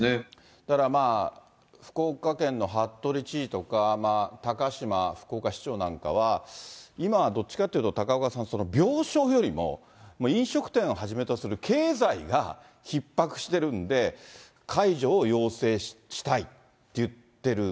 だから、福岡県の服部知事とか、たかしま福岡市長なんかは、今はどっちかっていうと、高岡さん、病床よりも飲食店をはじめとする経済がひっ迫してるんで、解除を要請したいって言ってる。